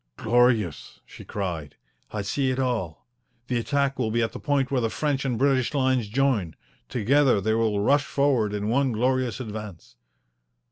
"Glorious!" she cried. "I see it all. The attack will be at the point where the French and British lines join. Together they will rush forward in one glorious advance."